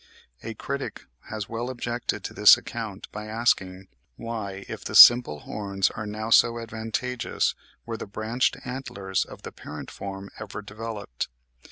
A critic has well objected to this account by asking, why, if the simple horns are now so advantageous, were the branched antlers of the parent form ever developed?